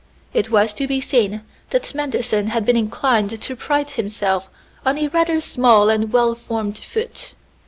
It was to be seen that Manderson had been inclined to pride himself on a rather small and well formed foot.